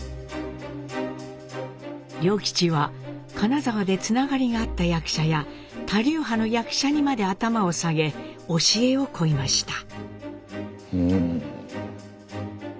良吉は金沢でつながりがあった役者や他流派の役者にまで頭を下げ教えを請いました。